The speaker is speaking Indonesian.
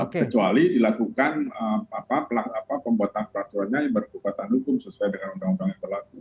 kecuali dilakukan pembuatan peraturannya yang berkekuatan hukum sesuai dengan undang undang yang berlaku